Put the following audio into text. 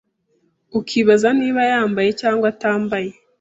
ukibaza niba yambaye cyangwa atambaye,